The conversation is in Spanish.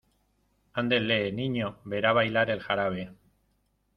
andele, niño , verá bailar el jarabe.